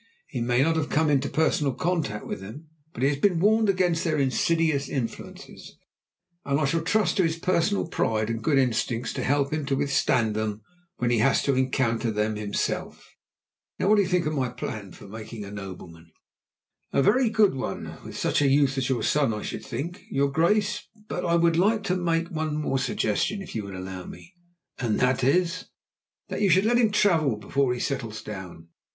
He may not have come into personal contact with them, but he has been warned against their insidious influences, and I shall trust to his personal pride and good instincts to help him to withstand them when he has to encounter them himself. Now, what do you think of my plan for making a nobleman?" "A very good one, with such a youth as your son, I should think, your Grace; but I would like to make one more suggestion, if you would allow me?" "And that is?" "That you should let him travel before he settles down.